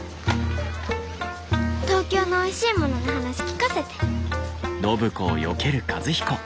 東京のおいしいものの話聞かせて。